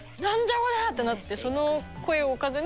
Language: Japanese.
こりゃ！ってなって。